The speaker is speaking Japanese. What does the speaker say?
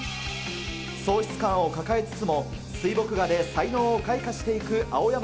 喪失感を抱えつつも、水墨画で才能を開花していく青山